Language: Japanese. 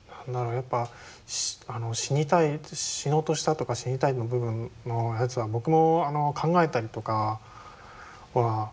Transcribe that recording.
やっぱ死にたい死のうとしたとか死にたいの部分のやつは僕も考えたりとかはあるんで。